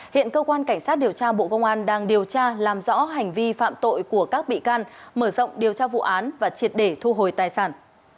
hiện cơ quan cảnh sát điều tra bộ công an đang điều tra làm rõ hành vi phạm tội của các bị can mở rộng điều tra vụ án và triệt để thu hồi tài sản